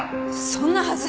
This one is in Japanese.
そんなはず！